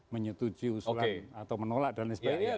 menyetujui usulan atau menolak dan sebagainya